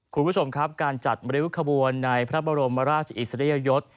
คุณผู้ชมครับการจัดริ้วขบวนในพระบรมราชอิสริยยศ